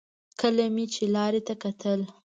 کله مې چې لارې ته کتل.